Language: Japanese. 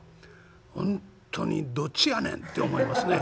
本当にどっちやねんって思いますね。